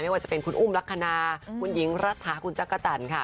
ว่าจะเป็นคุณอุ้มลักษณะคุณหญิงรัฐาคุณจักรจันทร์ค่ะ